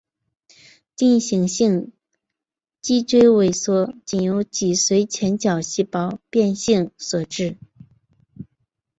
进行性脊肌萎缩仅由脊髓前角细胞变性所致。